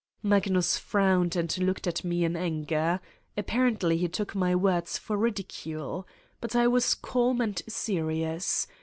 Magnus frowned and looked at me in anger: apparently he took my words for ridicule. But I was calm and serious.